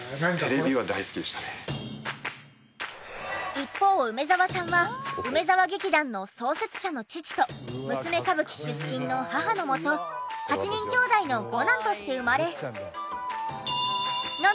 一方梅沢さんは梅沢劇団の創設者の父と娘歌舞伎出身の母のもと８人きょうだいの５男として生まれ。